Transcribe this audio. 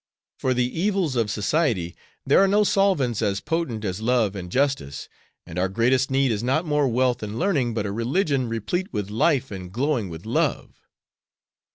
For the evils of society there are no solvents as potent as love and justice, and our greatest need is not more wealth and learning, but a religion replete with life and glowing with love.